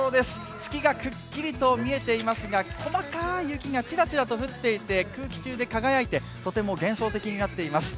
月がくっきりと見えてますが細かい雪がちらちらと降っていて空気中で輝いてとても幻想的になっています。